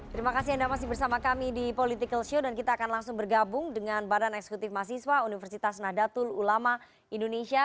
terima kasih anda masih bersama kami di political show dan kita akan langsung bergabung dengan badan eksekutif mahasiswa universitas nahdlatul ulama indonesia